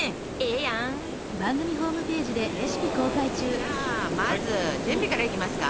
じゃあまず準備からいきますか。